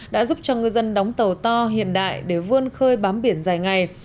đã giúp cho ngư dân đóng tàu to hiện đại để vươn khơi bám biển dài ngày